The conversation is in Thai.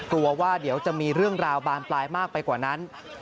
กลัวว่าเดี๋ยวจะมีเรื่องราวบานปลายมากไปกว่านั้น